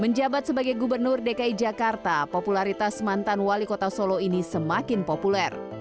menjabat sebagai gubernur dki jakarta popularitas mantan wali kota solo ini semakin populer